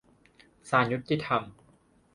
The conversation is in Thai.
ศาลยุติธรรม